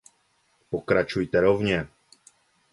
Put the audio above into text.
Pokračujte rovně.